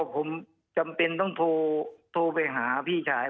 ผมจำเป็นต้องโทรไปหาพี่ชาย